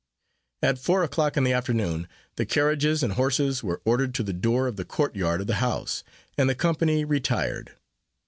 At four o'clock in the afternoon the carriages and horses were ordered to the door of the court yard of the house, and the company retired.